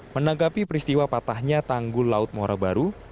menanggapi peristiwa patahnya tanggul laut muara baru